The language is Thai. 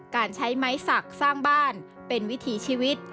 การใช้ไม้สักสร้างบ้านเป็นวิถีชีวิต